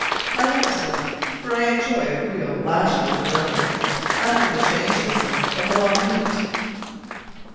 I hope so, for I enjoyed a real lash out of weather, after the changelessness of the long heat.